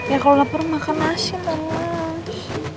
ya kalau lapar makan nasi bang mas